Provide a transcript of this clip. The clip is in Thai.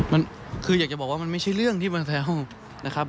มันคืออยากจะบอกว่ามันไม่ใช่เรื่องที่มันแซวนะครับ